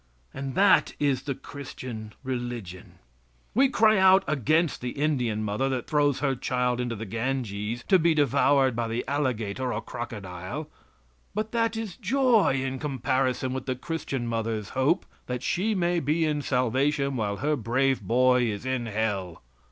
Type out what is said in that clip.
And that is the Christian religion! We cry out against the Indian mother that throws her child into the Ganges, to be devoured by the alligator or crocodile, but that is joy in comparison with the Christian mother's hope, that she may be in salvation while her brave boy is in Hell.